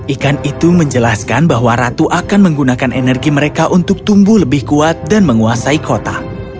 ikan itu menjelaskan bahwa ratu akan menggunakan energi mereka untuk tumbuh lebih kuat dan menguasai kota